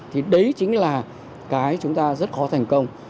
thì đấy chính là cái chúng ta rất khó thành công